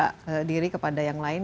tapi justru membuka diri kepada yang lain